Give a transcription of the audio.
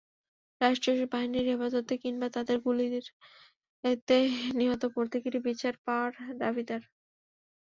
রাষ্ট্রীয় বাহিনীর হেফাজতে কিংবা তাদের গুলিতে নিহত প্রত্যেকেই বিচার পাওয়ার দাবিদার।